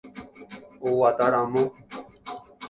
Oguataramo.